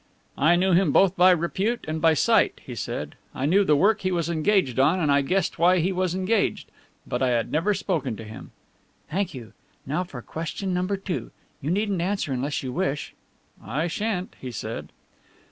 "I knew him both by repute and by sight," he said. "I knew the work he was engaged on and I guessed why he was engaged. But I had never spoken to him." "Thank you now for question number two. You needn't answer unless you wish." "I shan't," he said.